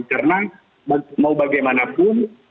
karena mau bagaimanapun